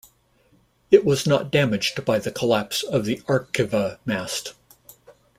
It was not damaged by the collapse of the Arqiva mast.